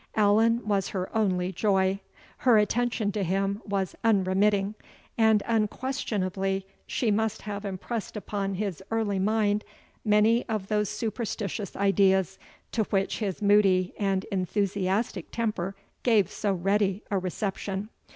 Allan was her only joy. Her attention to him was unremitting; and unquestionably she must have impressed upon his early mind many of those superstitious ideas to which his moody and enthusiastic temper gave so ready a reception.